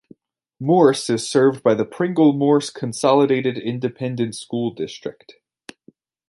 Morse is served by the Pringle-Morse Consolidated Independent School District.